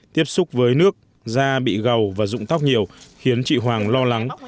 tiếp xúc với nước da bị gầu và rụng tóc nhiều khiến chị hoàng lo lắng